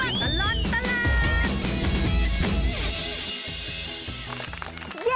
ช่วงตลอดตลาด